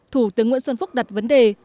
thủ tướng nguyễn xuân phúc đặt vấn đề